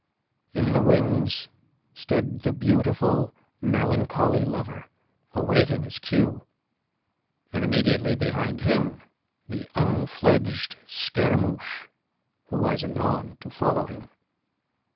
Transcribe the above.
In the wings stood the beautiful, melancholy lover, awaiting his cue, and immediately behind him the unfledged Scaramouche, who was anon to follow him.